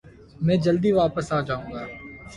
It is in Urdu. میں جلدی داپس آجاؤنگا ۔